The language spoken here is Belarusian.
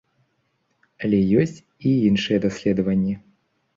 Але ёсць і іншыя даследаванні.